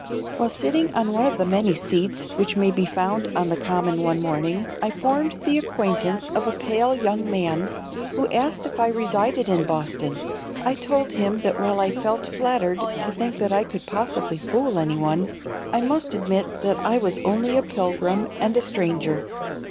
While sitting on one of the many seats which may be found on the Common one morning, I formed the acquaintance of a pale young man, who asked me if I resided in Boston. I told him that while I felt flattered to think that I could possibly fool anyone, I must admit that I was only a pilgrim and a stranger.